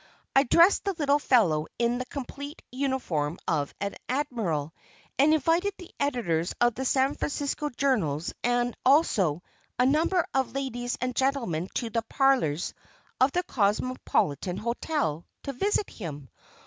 I dressed the little fellow in the complete uniform of an Admiral, and invited the editors of the San Francisco journals and also a number of ladies and gentlemen to the parlors of the Cosmopolitan Hotel to visit him.